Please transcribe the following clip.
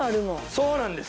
そうなんです。